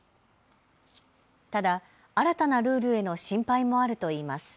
ただ新たなルールへの心配もあるといいます。